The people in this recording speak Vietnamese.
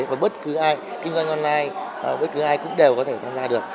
và bất cứ ai kinh doanh online bất cứ ai cũng đều có thể tham gia được